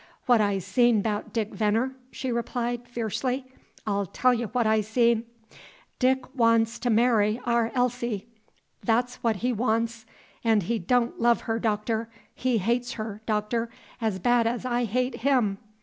"What I' seen 'bout Dick Veneer?" she replied, fiercely. "I'll tell y' what I' seen. Dick wan's to marry our Elsie, that 's what he wan's; 'n' he don' love her, Doctor, he hates her, Doctor, as bad as I hate him!